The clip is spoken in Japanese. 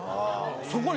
そこに。